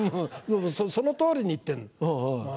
その通りに言ってんの。